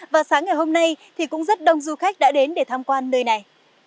và sáng ngày hôm nay thì cũng rất đông du khách đã đến để tham quan nơi này